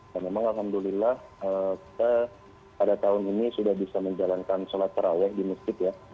dan memang alhamdulillah kita pada tahun ini sudah bisa menjalankan sholat taraweh di masjid ya